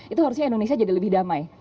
itu harusnya indonesia jadi lebih damai